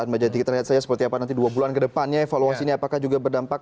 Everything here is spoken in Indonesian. majajik kita lihat saja seperti apa nanti dua bulan kedepannya evaluasi ini apakah juga berdampak